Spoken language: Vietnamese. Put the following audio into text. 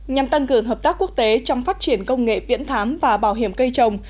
nhằm tăng cường hợp tác quốc tế trong phát triển công nghệ viễn thám và bảo hiểm cây trồng